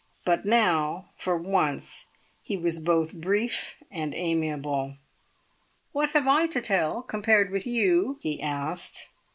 But now for once he was both brief and amiable. "What have I to tell compared with you?" he asked.